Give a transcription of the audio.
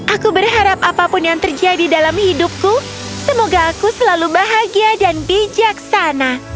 aku berharap apapun yang terjadi dalam hidupku semoga aku selalu bahagia dan bijaksana